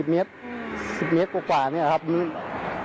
๑๐เมตรประมาณ๑๐เมตรกว่านี้หรือครับ